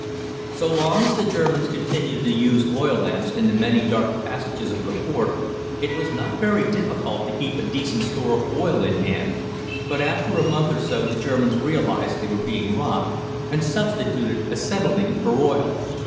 So long as the Germans continued to use oil lamps in the many dark passages of the fort, it was not very difficult to keep a decent store of oil in hand, but after a month or so the Germans realized they were being robbed, and substituted acetylene for oil.